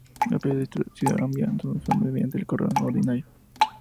Los periodistas de sociedad enviaban sus informes mediante el correo ordinario.